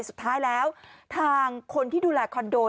สุดท้ายแล้วทางคนที่ดูแลคอนโด